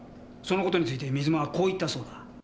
その事について水間はこう言ったそうだ。